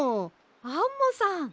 アンモさん！